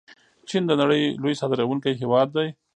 چین د نړۍ لوی صادروونکی هیواد دی.